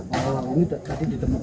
oh ini tadi ditemukan